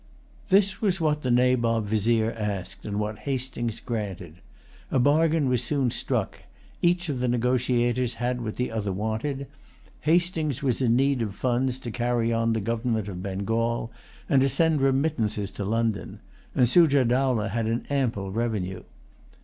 This was what the Nabob Vizier asked, and what Hastings granted. A bargain was soon struck. Each of the negotiators had what the other wanted. Hastings was in need of funds to carry on the government of Bengal, and to send remittances to London; and Sujah Dowlah had an ample revenue.